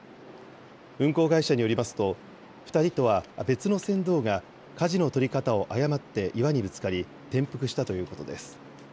運航会社によりますと、２人とは別の船頭が、かじの取り方を誤って岩にぶつかり、転覆したということです。